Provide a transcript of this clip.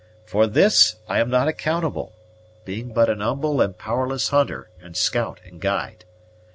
For this I am not accountable, being but an humble and powerless hunter and scout and guide.